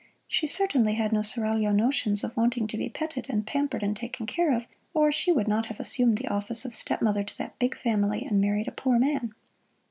She certainly had no seraglio notions of wanting to be petted and pampered and taken care of, or she would not have assumed the office of stepmother to that big family and married a poor man.